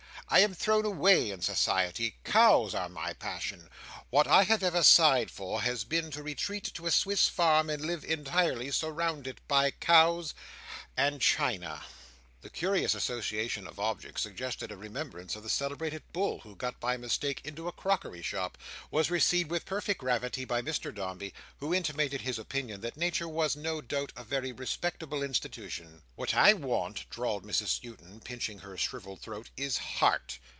I am thrown away in society. Cows are my passion. What I have ever sighed for, has been to retreat to a Swiss farm, and live entirely surrounded by cows—and china." This curious association of objects, suggesting a remembrance of the celebrated bull who got by mistake into a crockery shop, was received with perfect gravity by Mr Dombey, who intimated his opinion that Nature was, no doubt, a very respectable institution. "What I want," drawled Mrs Skewton, pinching her shrivelled throat, "is heart."